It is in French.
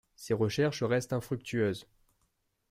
Ses recherches restent infructueuses.